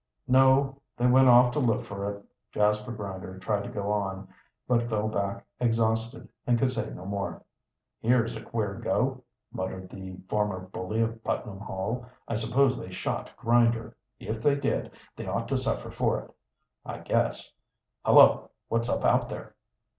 "No. They went off to look for it." Jasper Grinder tried to go on, but fell back exhausted and could say no more. "Here's a queer go!" muttered the former bully of Putnam Hall. "I suppose they shot Grinder. If they did, they ought to suffer for it. I guess Hullo, what's up out there?"